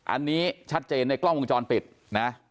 อันนี้ชัดเจนในกล้องวงจรปิดนะ